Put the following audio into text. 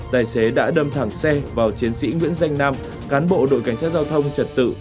tài xế đã đâm thẳng xe vào chiến sĩ nguyễn danh nam cán bộ đội cảnh sát giao thông trật tự